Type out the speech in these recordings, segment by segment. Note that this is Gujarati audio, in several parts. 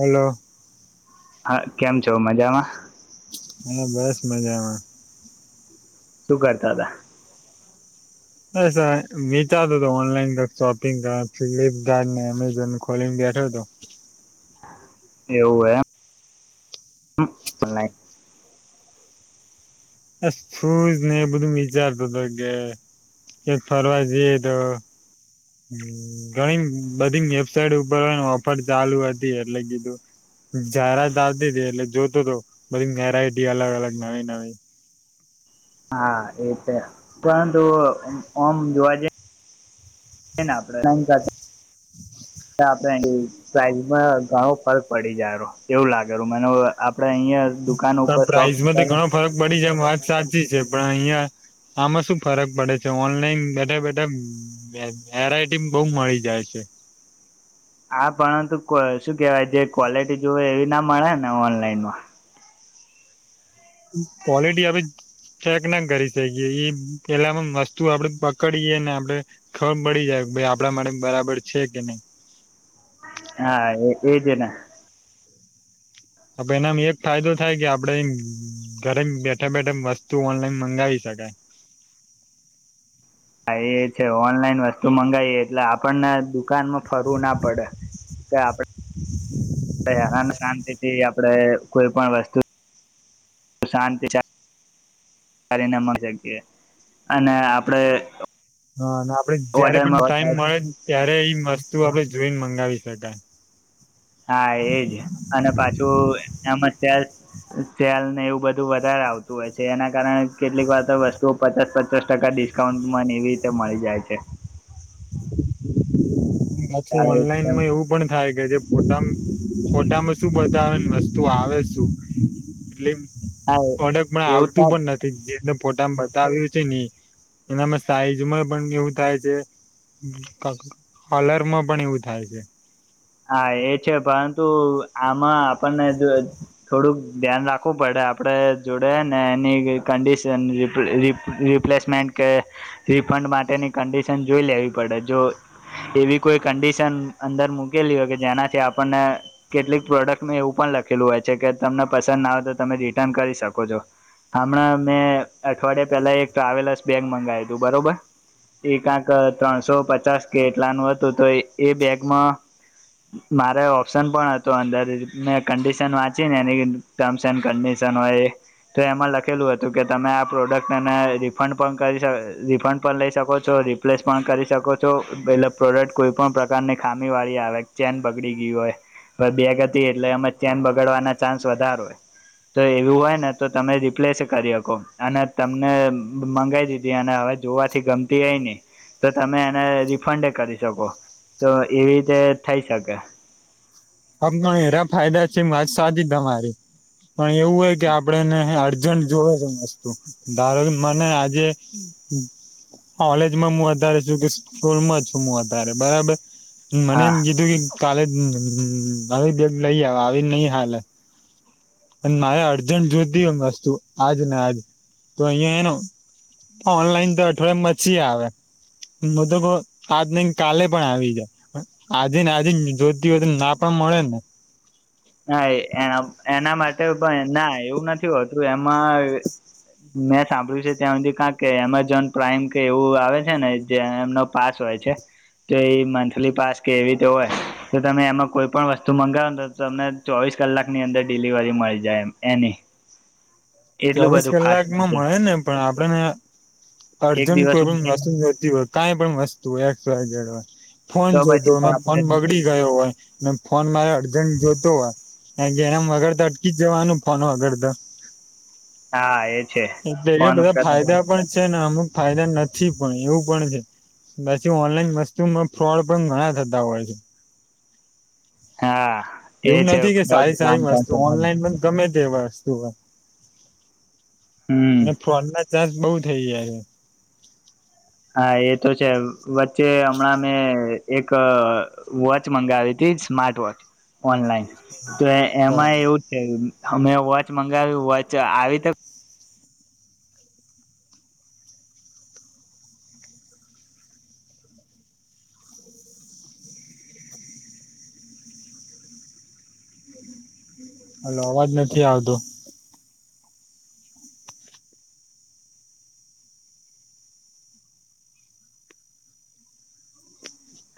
[inaudible] હેલો. હા. કેમ છો મજામાં? હા બસ મજામાં. શું કરતા હતા? બસ હવે વિચારતો તો ઓનલાઈન શોપિંગ આ ફ્લિપકાર્ટ ને એમેઝોન ખોલીને બેઠો હતો. એવું એમ આ શુઝ ને એ બધું વિચારતો હતો કે ક્યાંક ફરવા જઈએ તો ઘણી બધી વેબસાઇટ ઉપર ઓફર ચાલુ હતી. એટલે કીધું જાહેરાત આવતી હતી એટલે જોતો હતો બધી વેરાઈટી અલગ-અલગ, નવી-નવી હા એ છે પરંતુ અ ઓમ જોવા જઈ [unintelligible] [inaudible] [unintelligible] પ્રાઇઝમાં ઘણો ફર્ક પડી જાયરૂ એવું લાગેરુ મને ઓ આપણે અહિયાં દુકાન પણ ઉપર પ્રાાઈઝમાં તો શોપ ઘણો ફરક પડી જાય વાત સાચી છે. પણ અહિયાં આમાં શું ફરક પડે છે, ઓનલાઈન બેઠા બેઠા વે વેરાયટી બહુ મળી જાય છે. આ પરંતુ કોઈ શું કેહેવાય, જે ક્વોલિટી જોઈએ એવી ના મળે ને ઓનલાઈનમાં. ક્વોલિટી અભી ચેક ના કરી શકીએ. એ પેલાહુ વસ્તુ આપણે પકડીએ ને આપણે ખર પડી જાય કે ભાઈ આપણા માટે બરાબર છે કે નહી? હા એ એ એજ ને અપેનામાં એક ફાયદો થાય કે, આપણે ઘરે બેઠા બેઠા વસ્તુ ઓનલાઈન મંગાવી શકાય. હા એ છે. ઓનલાઈન વસ્તુ મંગાવીએ એટલે આપણને દુકાનમાં ફરવું ના પડે. કે આપણે આન શાંતિ એ આપણેે કોઈ પણ વસ્તુ શાંતિ [unintelligible] અને આપણે હા અને આપડે જયારે પણ ટાઈમ મળે ત્યારે એ વસ્તુ આપણે જોઈને મંગાવી શકાય. હા એજ અને પાછું એમજ સેલ ને એવું બધું વધારે આવતું હોય છે. એના કારણે કેટલીક વાર તો વસ્તુઓ પચાસ પચાસ ટકા ડિસ્કાઉન્ટમાંને એવી રીતે મળી જાય છે. પાછું ઓનલાઈનમાં હા એવું પણ થાય કે જે ફોટા ફોટામાં શું બતાવે. ને વસ્તુ આવે શું. એટલે પ્રોડક્ટ પણ એવું થાય આવતું પણ નથી જે ફોટામા બતાવ્યું છે ને. એનામાં સાઈઝમાં પણ એવું થાય છે ક કલરમાં પણ એવું થાય છે. હા એ છે પરંતુ આમાં આપણને જો થોડુંક ધ્યાન રાખવું પડે. આપણે જોડે ને એની કંડિશન રીપ્લે રીપ રિપ્લેસમેન્ટ કે રિફંડ માટેની કંડિશન જોઈ લેવી પડે. જો એવી કોઈ કંડિશન અંદર મુ કેલી હો કે જેનાથી આપણને કેટલીક પ્રોડક્ટ મેં એવું પણ લખેલું હોય છે કે તમને પસંદ ના આવે તો તમે રિટર્ન કરી શકો છો. હમણાં મેં અઠવાડિયા પહેલા એક ટ્રાવેલર્સ બેગ મંગાવ્યું હતું. બરોબર! એક કાઇક ત્રણસો પચાસ કે એટલાનું હતું તો એ બેગમાં મારે ઓપ્શન પણ હતો અંદર મેં કન્ડિશન વાંચી ને એની ટર્મ્સ એન્ડ કન્ડિશન હોય એ તો એમાં લખેલું હતું, કે તમે આ પ્રોડક્ટ એને રિફંડ પણ કરી રિફંડ પણ લઈ શકો છો. રિપ્લેસ પણ કરી શકો છો. એટલે પ્રોડક્ટ કોઈ પણ પ્રકારની ખામી વાળી આવે ચેન બગડી ગઇ હોય. બેગ હતી એટલે એમા ચેન બગાડવાના ચાન્સ વધારો હોય. તો એવું હોય ને તો તમે રિપ્લેસ કરી હકો અને તમને મંગાવી દીધી અને હવે જોવાથી ગમતી એઇની. તો તમે એને રિફંડ એ કરી શકો તો એવી તે થઈ શકે હ એરા ફાયદા છે, વાત સાદી તમારી પણ એવું હોય કે આપડે ને જોવે છે મસ્તુ ધારો કે મને આજે કોલેજમાં હું વધારે છું, કે સ્કૂલમાં છું વધારે બરાબર હમ્મ મનેમ હા જી કાલે હમ આવી બે લઈ આવે આવી જ નઈ હાલે પણ મારે અર્જન્ટ જોતી હોય, વસ્તુ આજ ને આજ તો અહીિયાં એનો ઓનલાઈન તો અઠવાડયમાં પછી આવે મ તો આજ નહી કાલે પણ આવી જાય આજે ને આજે જોતી હોય, ના પણ મળે ને હા એના એના માટે પણ ના એવું નથી હોતું એમાં મેં સાંભળ્યું છે, ત્યાં સુધી ક કે એમેઝોન પ્રાાઈમ કે એવું આવે છે ને જે એમનો પાસ હોય છે, તો એ મંથલી પાસ કે એવી રીતે હોય તો તમે એમાં કોઈ પણ વસ્તુ મંગાવો તમને ચોવીસ કલાક ની અંદર ડડીલિવરી મળી જાય એમ એની એટલું ચોવીસ બધું ફાસ્ટ કલાક માં છે મળે ને પણ આપડને એક અર્જન્ટ કોઈ દિવસમાં પણ થઈ વસ્તુ જાય નતી હોય કાંઈ પણ વસ્તુ હોય એકસયડ વાય [unintelligible] ફોન તો જોતો પછી તો હોય ફોન આપણે બગડી ગયો હોય, ફોન મારે અર્જન્ટ જોતો હોય ઘેમ વગર તો અટકી જ જવાનું ફોન વગર તો હા એ છે એ પે ફોન બધા ઉપર જ. ફાયદા પણ છે, ને અમુક ફાયદા નથી પણ એવું પણ છે, પછી ઓનલાઈન વસ્તુમાં ફ્રોડ પણ ઘણા થતા હોય છે, હા એ એવું છે નથી કે ફ્રોડ સારી કામ સારી મસ્તુ કરશે ઓનલાઈન પણ ગમે તે બસ શુંઆ હમ અને ફોન ચાસ બહુ થઈ જ છે, હા એ તો છે વચ્ચે હમણાં મેં એક વોચ મંગાવી હતી, સ્માર્ટ વોચ ઓનલાઈન તો એમાં બરાબર એવું છે, અમે વોચ મંગાવી વોચ આવી તો હલો અવાજ નથી આવતો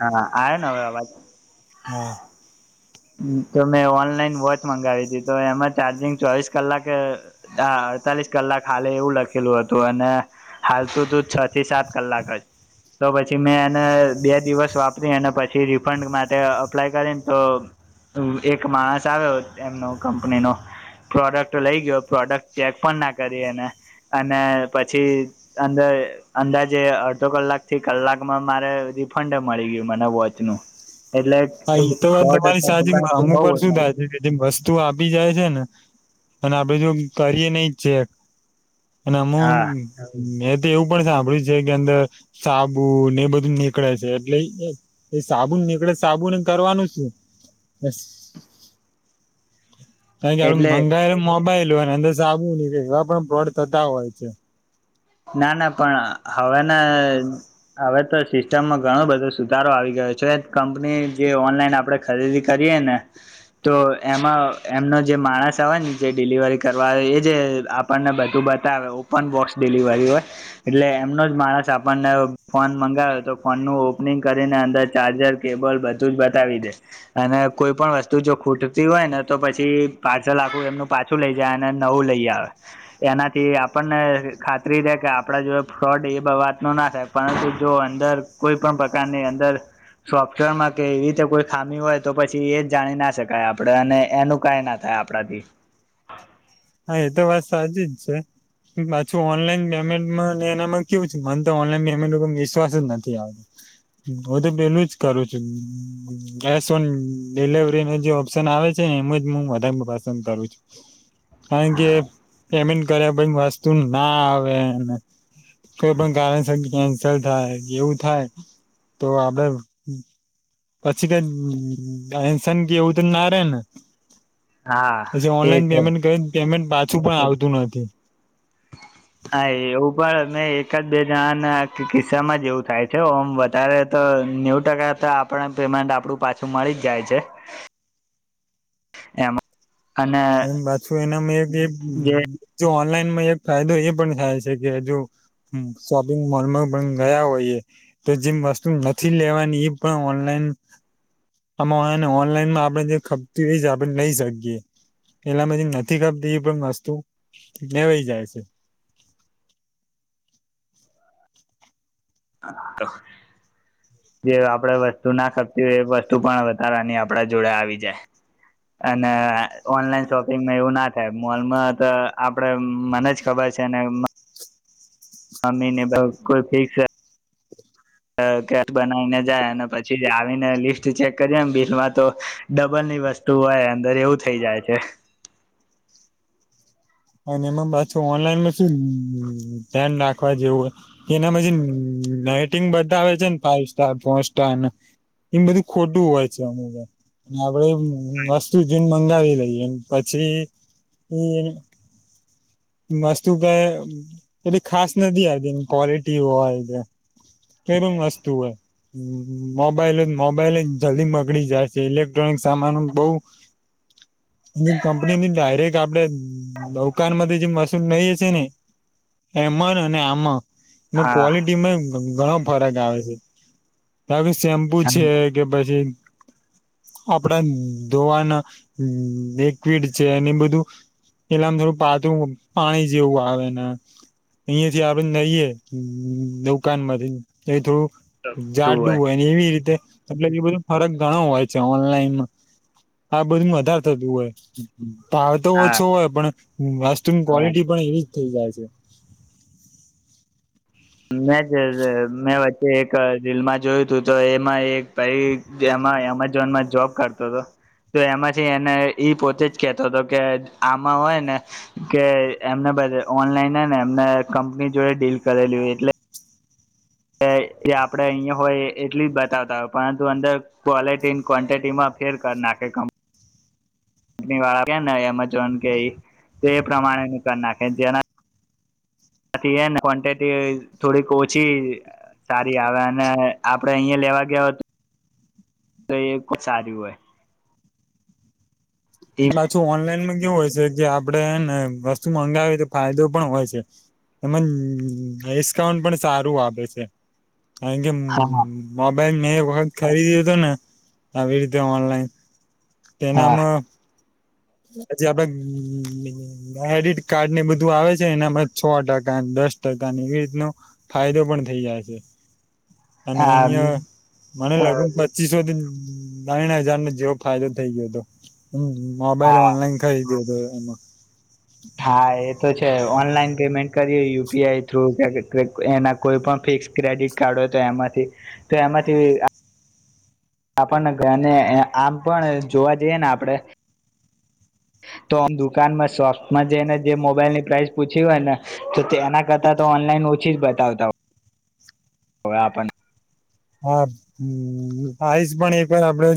હા આને હવે અવાજ? હા તો મેં ઓનલાઈન વોચ મંગાવી હતી તો એમાં ચાર્જિંગ ચોવીસ કલાકે અડતાલીસ કલાક હાલે એવું લખેલું હતું અને હાલ તું તું છ થી સાત કલાક જ તો પછી મેં એને બે દિવસ વાપરી અને પછી રિફંડ માટે અપ્લાય કરીને, તો એક માણસ આવ્યો એમનો કંપનીનો પ્રોડક્ટ લઈ ગયો પ્રોડક્ટ ચેક પણ ના કરી અનેને અને પછી અંદર અંદાજે અડધો કલાક થી કલાકમાં મારે રિફંડ મળી ગયું, મને વોચનું એટલે એ સા અમુક પર શું થ કે મસ તું આપી જાય છે, ને અને આપડે જો કરીએ નહ ચેક એ ના હું હા એવું પણ સાંભળ્યું છે કે અંદર સાબુ ને બધું નીકળે છે, એટલે સાબુ નીકળે સાબુન કરવાનું છું? તે જાણીને એટલે બંગાયરે મોબાઈલ લોટના અંદર સાબુ ન કે એવા પણ બોડ થતા હોય છે ના ના પણ હવેને હવે તો સિસ્ટમમાં ઘણો બધો સુધારો આવી ગયો છે કંપની જે ઓનલાઈન આપડણે ખરીદી કરીએ ને તો એમાં એમનો જે માણસ આવે ને જે ડિલિવરી કરવા એ જે આપણને બધું બતાવે ઓપન બોક્સ ડિલિવરી હોય એટલે એમનો જ માણસ આપણને ફોન મંગાવે તો ફોનનું ઓપનિંગ કરીને અંદર ચાર્જર કેબલ બધું જ બતાવી દે અને કોઈ પણ વસ્તુ જો ખૂટતી હોય ને તો પછી પાર્સલ આખું એમનું પાછું લઈ જાય અને નવું લઈ આવે એનાથી આપણને ખાતરી રહેે કે આપડા જો ફ્રોડ એ વાત ન ના થાય પરંતુ જો અંદર કોઈ પણ પ્રકારની અંદર સોફ્ટવેરમાં કે એવી રીતે કોઈ ખામી હોય તો પછી એ જ જાણી ના શકાય આપણે અને એનું કઈ ના થાય આપણાથી હા એ તો વાત સાચી જ છે પાછું ઓનલાઈન પેમેન્ટમાંને એનામાં કેવું છે મને તો ઓનલાઈન પેમેન્ટ ઉપર વિશ્વાસ જ નથી આવતો હું તો પેલું જ કરું છું કેશ ઓન ડિલવરી ન જે ઓપ્શન આવે છે ને એમાં જ હું વધારે પસંદ કરું છું કારણ કે પેમેન્ટ ઘરે ભઈ વસ્તુ ના આવે કોઈ પણ કારણસર કેન્સલ થાય એવું થાય તો આપડે પછી કઈ એનસન કે એવું તો ના રે ને હા પછી તે ઓનલાઈન છે પેમેન્ટ કરી પેમેન્ટ પાછું પણ આવતું નથી હા એવું પણ અ એક જ બે જણાના કિસ્સામાં જ એવું થાય છે ઓમ વધારે તો નેવુ ટકા તો આપણે પેમેન્ટ આપડું પાછું મળી જ જાય છે એમાં અને પાછું એના મે જે જો ઓનલાઈનમાં એક ફાયદો એ પણ થાય છે કે જો શોપિંગ મોલમાં પણ ગયા હોઈએ તો જેમ વસ્તુ નથી લેવાની એ પણ ઓનલાઈન આ ઓનલાઈનમાં આપણે જે ખપતી હોય આપણે લઈ શકીએ એલામાંધી નથી ખપતી એ પણ વસ્તુ લેવાઈ જાય છે આગળ જે આપણે વસ્તુ ના ખતી હોય એ વસ્તુ પણ વધારાની આપડા જોડે આવી જાય અને ઓનલાઈન શોપિંગમાં એવું ના થાય મોલમાં તો આપડે મને જ ખબર છે મમ્મીને બહુ ખુશી છે અ કેટ બનાવીને જાય અને પછી આવીને લિસ્ટ ચેક કરીે એમ બિલમાં તો ડબલની વસ્તુ હોય અંદર એવું થઈ જાય છે અને એમાં પાછું ઓનલાઈનમાં શું ધ્યાન રાખવા જેવું હોય એનામાંછી નાટિંગ બતાવે આવે છે ને ફાઈવ સ્ટાર ફોર સ્ટાર એ બધું ખોટું હોય છે અમુ ભઈ વસ્તુ જોઈને મને મંગાવી લઈએ એ પછી એને વસ્તુ ક પટલી ખાસ નથી આવીતી એની ક્વલિટી હોય કેલું વસ્તુ હોય મોબાઈલ મોબાઈલ જલ્દી બગડી જાય છે ઇલેક્ટ્રોનિક સામાનો બહુ એની કંપનીની ડાયરેક્ટ આપડે દુકાન થી જે મશુર નહી છે ને એમ અને આમાં એ હા ક્વલિટીમાં ઘણા ફરક આવે છે તારુ શેમ્પુ છે કે પછી આપડા ધોવાના લિક્વિડ છે એને બધું એલામ થોડું પાતું પાણી જેવું આવે ને અહીયાં જે આવીને ખઈએ દુકાન માંથી એ થોડું જાડું હોય એવી રીતે એટલે એ બધો ફરક ઘણો હોય છે ઓનલાઈનમાં આ બધું વધારે થતું હોય ભાવ તો હા ઓછો હોય પણ [unintelligible] તુમ ક્વોલિટી પણ એવી જ થઈ જાય છે મેં જ જ મેં વચ્ચે એક રીલમાં જોયું હતું તો એમાં એક ભાઈ એમાં એમેઝોનમાં જોબ કરતો હતો તો એમાંથી એને ઈ પોતે જ કેતો હતો કે આમાં હોય ને કે એમને બધા ઓનલાઈન ને એમને કંપની જોડે ડીલ કરેલી હોય એટલે એ આપડણે અહીંયા હોય એટલી જ બતાવતા હોય પરંતુ અંદર ક્વોલિટી ક્વન્ટિટીમાં ફેર કરી નાખે ક કંપની વાળા કે એમેઝોન કે તે પ્રમાણે નુકાન નાખે જેના આથી એને ક્વન્ટિટી થોડીક ઓછી સારી આવે અને આપડે અહીંયા લેવા ગયા તો એ સારીહોય પાછું ઓનલાઈન મા કે વું હોય છે જે આપડણે હેને વસ્તુ મંગાવી તો ફાયદો પણ હોય છે એમમા ડિસ્કાઉન્ટ પણ સારું આપે છે હે હા મા ભાઈ મેં એક વખત ખરીદ્યો હતો ને, આવી રીતે ઓનલાઈન. હા તેનામ પજ આપણે ક્રેડિટ કાર્ડ ને બધું આવે છે એનામાં છ ટકા દસ ટકાને એવી રીતનો, ફાયદો પણ થઇ જાય છે. અને આમ યા મને લગભગ પચીસોથી બાાવણ હજાર નો જેવો ફાયદો થઇ ગયો હતો. મોબાઈલ હા ઓનલાઈન કઈ્યો હતો એમ. હા એ તો છે. કે ઓનલાઈન પેમેન્ટ કરી હો યુપી આઈ થ્રુ કે એના કોઈ પણ ફિક્સ ક્રેડિટ કાર્ડ હોય તો એમાંથી, તો એમાંથી આપણનેને આમ પણ જોવા જઈએ ને આપણે. તો દુકાનમાં શોપમાં જઈને જે મોબાઈલની પ્રાઇસ પૂછી હોય ને, તો તેના કરતાં તો ઓનલાઈન ઓછી જ બતાવતા હોય. હ પણ હા આઇસ પણ એક વાર આપડે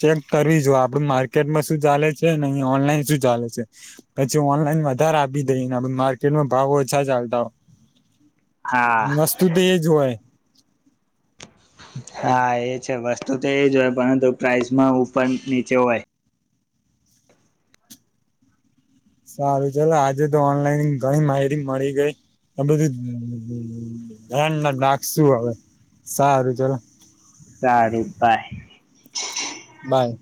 ચેક કરવી જો આપડ માર્કેટમાં શું ચાલે છે ને અ ઓનલાઈન શું ચાલે છે, પછી ઓનલાઈન વધારે આપી દઈને માર્કેટમાં ભાવ ઓછા ચાલતા હો. હા વસ્તુ તો એજ હોય. હા એ છે વસ્તુ તો એજ હોય પરંતુ પ્રાઇસમાં ઉપર નીચે હોય. સારું ચાલ આજે તો ઓનલાઈન ઘણી માહી મળી ગઈ, બધુંન ના રાખ શું હવે સારું ચાલ. સારું બાય [inaudible] બાય.